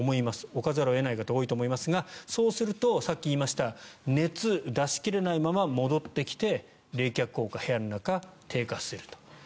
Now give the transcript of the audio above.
置かざるを得ない方多いと思いますがそうするとさっき言いました熱を出し切れないまま戻ってきて冷却効果が部屋の中、低下すると。